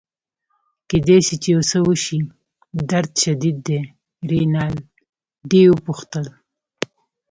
کیدای شي چي یو څه وشي، درد شدید دی؟ رینالډي وپوښتل.